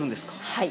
◆はい。